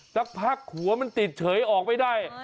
สักพักหัวมันติดเฉยออกไม่ได้